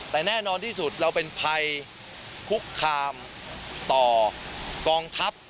แต่แน่นอนที่สุดเราเป็นภัยคุกคามต่อกองทัพ